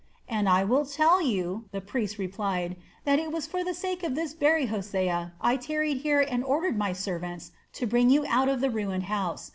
"And I will tell you," the priest replied, "that it was for the sake of this very Hosea I tarried here and ordered my servants to bring you out of the ruined house.